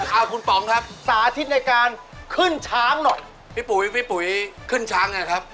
เอาคุณป๋องครับสาธิตในการขึ้นช้างหน่อยพี่ปุ๋ยพี่ปุ๋ยขึ้นช้างไงครับ